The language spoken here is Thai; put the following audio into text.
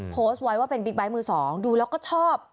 โพสต์ไว้ว่าเป็นบิ๊กไบท์มือสองดูแล้วก็ชอบ